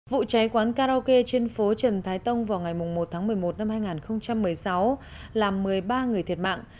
vụ cháy quán karaoke trên phố trần thái tông vào ngày một tháng một mươi một năm hai nghìn một mươi sáu làm một mươi ba người thiệt mạng